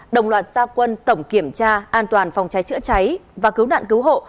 đồng loạt gia quân tổng kiểm tra an toàn phòng cháy chữa cháy và cứu nạn cứu hộ